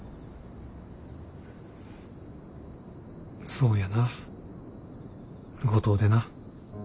そうやな五島でな。